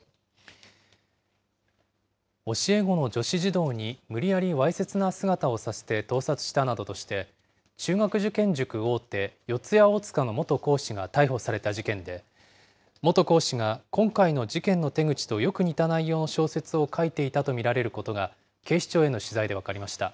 教え子の女子児童に無理やりわいせつな姿をさせて盗撮したなどとして、中学受験塾大手、四谷大塚の元講師が逮捕された事件で、元講師が今回の事件の手口とよく似た内容の小説を書いていたと見られることが、警視庁への取材で分かりました。